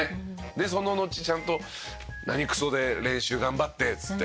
でそののちちゃんと何クソで練習頑張ってっつって。